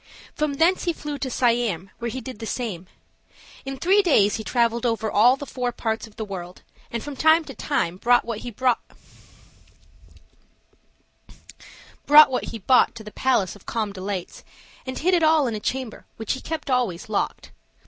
From thence he flew to Siam, where he did the same; in three days he traveled over all the four parts of the world, and from time to time brought what he bought to the Palace of Calm Delights, and hid it all in a chamber, which he kept always locked.